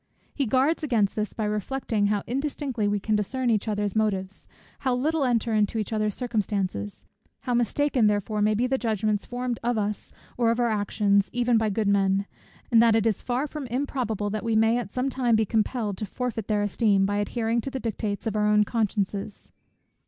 He guards against this by reflecting how indistinctly we can discern each other's motives, how little enter into each other's circumstances, how mistaken therefore may be the judgments formed of us, or of our actions, even by good men, and that it is far from improbable, that we may at some time be compelled to forfeit their esteem, by adhering to the dictates of our own consciences.